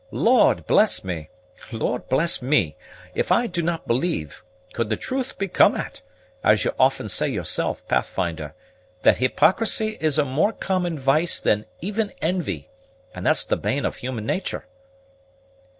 Lord bless me! Lord bless me! If I do not believe, could the truth be come at, as you often say yourself, Pathfinder, that hypocrisy is a more common vice than even envy, and that's the bane of human nature."